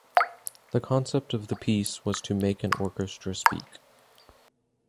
The concept of the piece was to "make an orchestra speak".